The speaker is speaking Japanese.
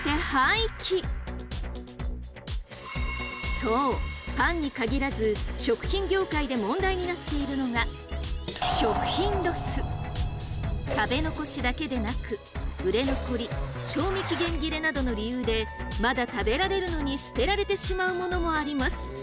そうパンに限らず食品業界で問題になっているのが食べ残しだけでなく売れ残り賞味期限切れなどの理由でまだ食べられるのに捨てられてしまうものもあります。